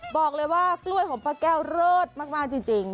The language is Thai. บอกเลยว่ากล้วยของป้าแก้วเลิศมากจริง